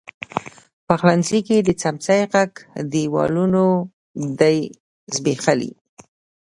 پخلنځي کې د څمڅۍ ږغ، دیوالونو دی زبیښلي